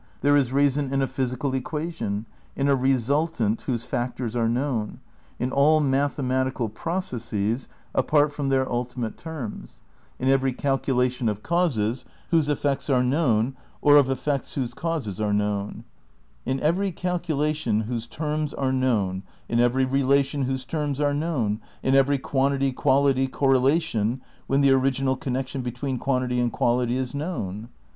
There is reason in a physical equa tion, in a resultant whose factors are known, in all mathematical processes apart from their ultimate I THE CRITICAL PEEPARATIONS 11 terms ; in every calculation of causes whose effects are known or of effects whose causes are known ; in every calculation whose terms are known ; in every relation whose terms are known; in every quantity quality cor relation when the original connection between quantity and quality is known.